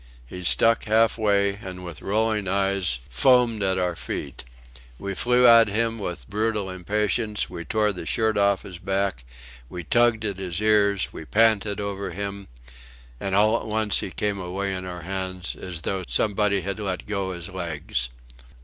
He stuck halfway, and with rolling eyes foamed at our feet. We flew at him with brutal impatience, we tore the shirt off his back, we tugged at his ears, we panted over him; and all at once he came away in our hands as though somebody had let go his legs.